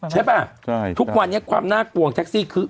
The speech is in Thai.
ใช่ป่ะทุกวันนี้ความน่ากลัวของแท็กซี่คือ